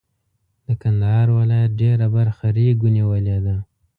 د کندهار ولایت ډېره برخه ریګو نیولې ده.